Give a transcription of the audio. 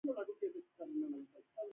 ټوکې د ټولنې هندارې او د حکمت چینې دي.